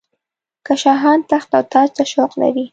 که شاهان تخت او تاج ته شوق لري.